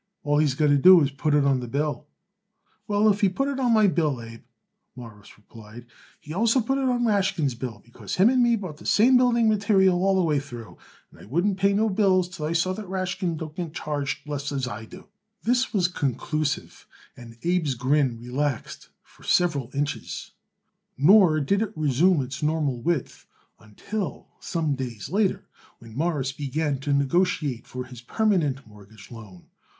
"All he's got to do is to put it on the bill." "Well, if he put it on my bill, Abe," Morris replied, "he also put it on Rashkin's bill, because him and me bought the same building material all the way through, and I wouldn't pay no bills till I saw that Rashkin don't get charged less as I do." This was conclusive, and Abe's grin relaxed for several inches, nor did it resume its normal width until some days later when Morris began to negotiate for his permanent mortgage loan.